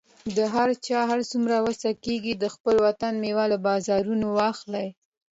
د هر چا هر څومره وسه کیږي، د خپل وطن میوه له بازارونو واخلئ